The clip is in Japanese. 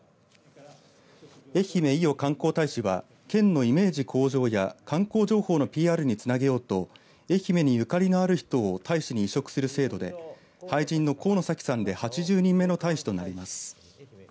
愛媛・伊予観光大使は県のイメージ向上や観光情報のＰＲにつなげようと愛媛にゆかりのある人を大使に委嘱する制度で俳人の神野紗希さんで８０人目の大使となります。